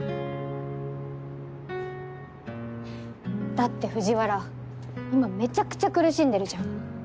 だって藤原今めちゃくちゃ苦しんでるじゃん。